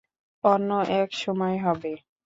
অন্য এক সময় হবে।